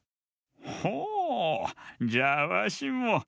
ほうじゃあわしも。